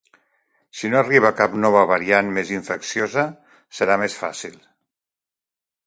Si no arriba cap nova variant més infecciosa serà més fàcil.